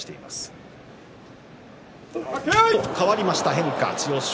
変化で千代翔